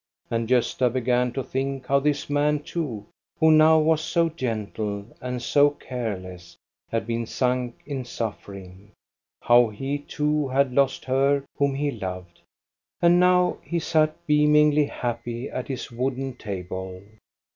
And Gosta began to think how this man too, who now was so gentle and so careless, had been sunk in suffering, how he too had lost her whom he loved. jjd now he sat beamingly happy at his wooden table.